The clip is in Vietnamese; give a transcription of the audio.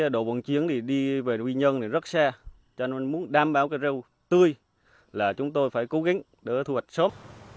đổ vốn chiếng đi về quy nhơn rất xa cho nên muốn đảm bảo rau tươi là chúng tôi phải cố gắng để thu hoạch sớm